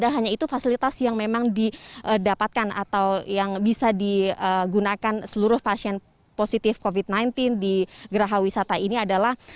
hanya itu fasilitas yang memang didapatkan atau yang bisa digunakan seluruh pasien positif covid sembilan belas di geraha wisata ini adalah